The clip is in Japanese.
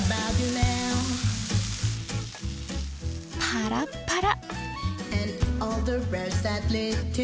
パラッパラ！